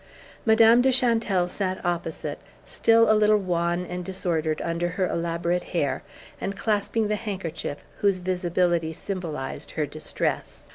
Madame de Chantelle sat opposite, still a little wan and disordered under her elaborate hair, and clasping the handkerchief whose visibility symbolized her distress.